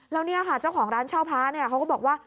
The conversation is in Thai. แล้วเจ้าของร้านเช่าพ้าเขาก็บอกว่า